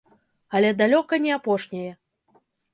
Але далёка не апошняе.